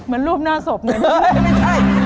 เหมือนรูปหน้าศพเหมือนว่าไม่ใช่